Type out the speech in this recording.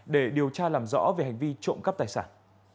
để điều tra làm rõ về hành vi trộm cắp tài sản